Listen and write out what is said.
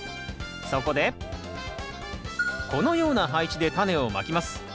そこでこのような配置でタネをまきます。